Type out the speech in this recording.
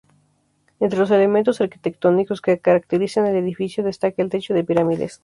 Entre los elementos arquitectónicos que caracterizan el edificio, destaca el techo de pirámides.